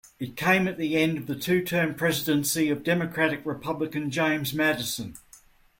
It came at the end of the two-term presidency of Democratic-Republican James Madison.